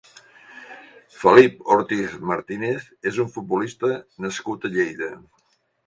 Felip Ortiz Martínez és un futbolista nascut a Lleida.